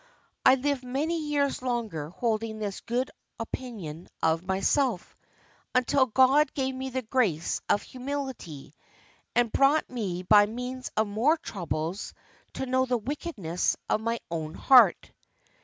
I lived many years longer holding this good opinion of myself until God gave me the grace of humility, and brought me by means of more troubles to know the wickedness of my own heart.